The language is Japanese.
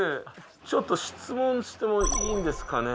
ちょっと質問してもいいですかね